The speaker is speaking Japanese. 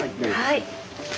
はい。